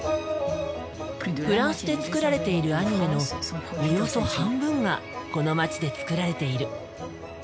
フランスで作られているアニメのおよそ半分がこの街で作られている。